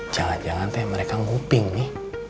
jangan jangan mereka nguping mi